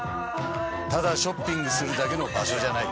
ただショッピングするだけの場所じゃない。